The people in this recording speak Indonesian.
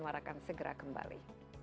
warahkan segera kembali